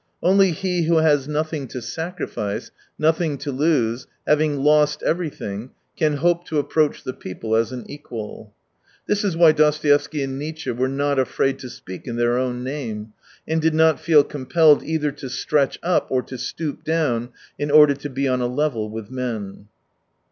Only he who has nothing to sacrifice, nothing to lose, having lost everything, can hope to approach the people as an equal. This is why Dostoevsky and Nietzsche were not afraid to speak in their own name, and did not feel compelled either to stretch up or to stoop down in order to be on a level with men.